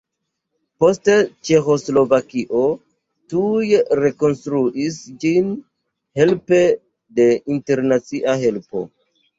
Poste Ĉeĥoslovakio tuj rekonstruis ĝin helpe de internacia helpo.